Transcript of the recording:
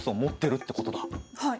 はい。